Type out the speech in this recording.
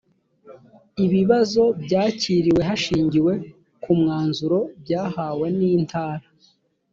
ibibazo byakiriwe hashingiwe ku mwanzuro byahawe n’ intara